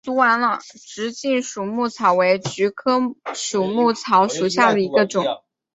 直茎鼠曲草为菊科鼠曲草属下的一个种。